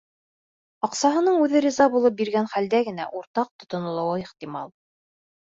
Аҡсаһының үҙе риза булып биргән хәлдә генә уртаҡ тотонолоуы ихтимал.